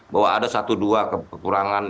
bahwa ada satu dua kekurangan